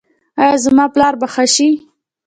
ایا زما پلار به ښه شي؟